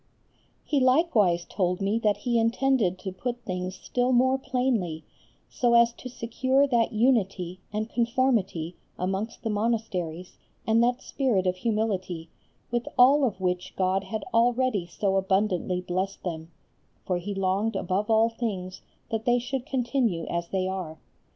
He likewise told me that he intended to put things still more plainly, so as to secure that unity and conformity amongst the monasteries and that spirit of humility, with all of which God had already so abundantly blessed them; for he longed above all things that they should continue as they are.